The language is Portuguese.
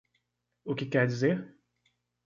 O que quer dizer